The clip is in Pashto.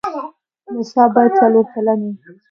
نصاب باید څلور کلن وي.